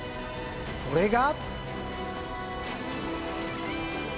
それが。